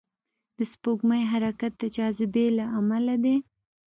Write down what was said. د سپوږمۍ حرکت د جاذبې له امله دی.